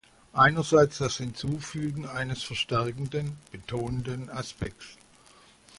Einerseits das Hinzufügen eines verstärkenden, betonenden Aspekts.